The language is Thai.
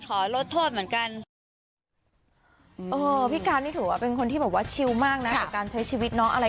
ขอลดโทษเหมือนกันอ่าพี่ก็ได้ถูกว่าเป็นคนที่บอกว่าชิวว์มากนะการใช้ชีวิตน้องอะไร